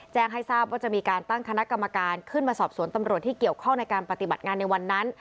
แจ้งให้ทราบว่าจะมีการตั้งคณะกรรมการขึ้นมาสอบสวนตำรวจที่เกี่ยวข้องในการปฏิบัติงานในวันนั้น